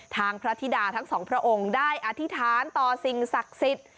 พระธิดาทั้งสองพระองค์ได้อธิษฐานต่อสิ่งศักดิ์สิทธิ์